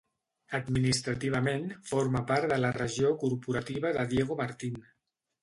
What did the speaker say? Administrativament, forma part de la regió corporativa de Diego Martín.